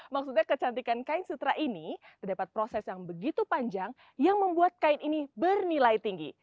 maksudnya kecantikan kain sutra ini terdapat proses yang begitu panjang yang membuat kain ini bernilai tinggi